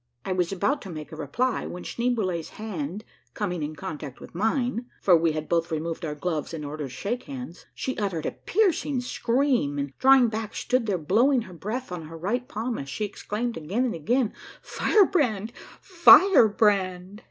I was about to make a reply when Schneeboule's hand coming in contact with mine, — for we had both removed our gloves in order to shake hands, — she uttered a piercing scream, and drawing back stood there blowing her breath on her right palm as she exclaimed, again and again, —" Firebrand ! Firebrand